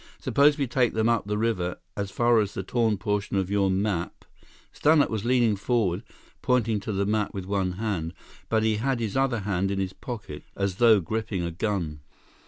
Suppose we take them up the river, as far as the torn portion of your map—" Stannart was leaning forward, pointing to the map with one hand, but he had his other hand in his pocket, as though gripping a gun.